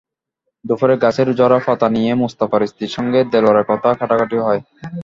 দুপুরে গাছের ঝরা পাতা নিয়ে মোস্তফার স্ত্রীর সঙ্গে দেলোয়ারের কথা-কাটাকাটি হয়।